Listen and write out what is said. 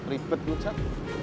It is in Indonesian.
ribet lu jak